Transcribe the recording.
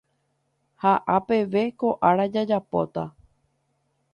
Ha apeve ko ára jajapóta